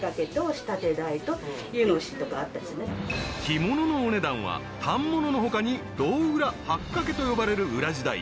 ［着物のお値段は反物の他に胴裏八掛と呼ばれる裏地代］